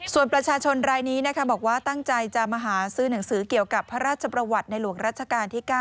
ส่วนประชาชนรายนี้นะคะบอกว่าตั้งใจจะมาหาซื้อหนังสือเกี่ยวกับพระราชประวัติในหลวงรัชกาลที่๙